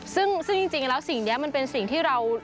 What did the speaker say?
ซึ่งจริงและสิ่งนี้เป็นสิ่งที่